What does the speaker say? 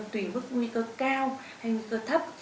tùy bức nguy cơ cao hay nguy cơ thấp